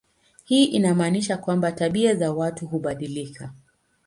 Hii inamaanisha kwamba tabia za watu hubadilika.